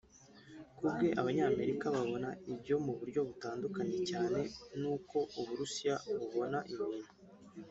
Ku bwe Abanyamerika babona ibyo mu buryo butandukanye cyane n’uko U Burusiya bubona ibintu